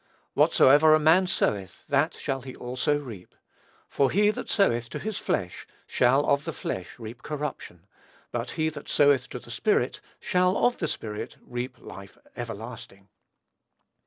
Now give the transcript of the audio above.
"Whatsoever a man soweth that shall he also reap. For he that soweth to his flesh shall of the flesh reap corruption; but he that soweth to the Spirit, shall of the Spirit reap life everlasting."